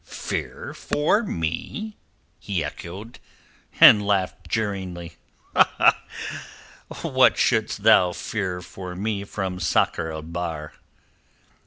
"Fear for me?" he echoed, and laughed jeeringly. "What shouldst thou fear for me from Sakr el Bahr?"